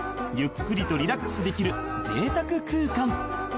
［ゆっくりとリラックスできるぜいたく空間］